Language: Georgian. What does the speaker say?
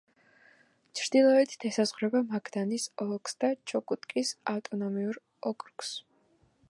ჩრდილოეთით ესაზღვრება მაგადანის ოლქს და ჩუკოტკის ავტონომიურ ოკრუგს.